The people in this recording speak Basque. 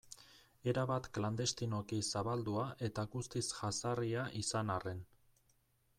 Erabat klandestinoki zabaldua eta guztiz jazarria izan arren.